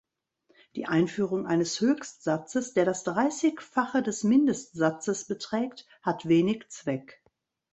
Die Einführung eines Höchstsatzes, der das Dreißigfache des Mindestsatzes beträgt, hat wenig Zweck.